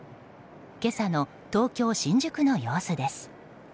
今朝の東京・新宿の様子です。